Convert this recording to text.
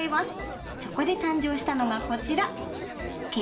そこで誕生したのがこちら。